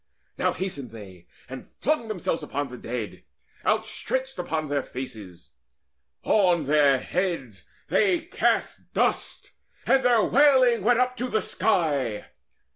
Now hasted they And flung themselves upon the dead, outstretched Upon their faces: on their heads they cast Dust, and their wailing went up to the sky.